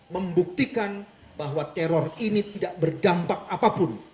membuktikan bahwa teror ini tidak berdampak apapun